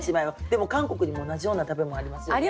でも韓国にも同じような食べ物ありますよね？